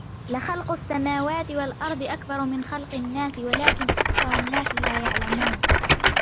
لخلق السماوات والأرض أكبر من خلق الناس ولكن أكثر الناس لا يعلمون